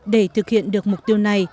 để thực hiện được mục tiêu này